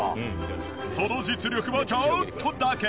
その実力をちょっとだけ。